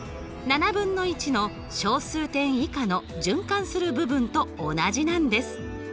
７分の１の小数点以下の循環する部分と同じなんです。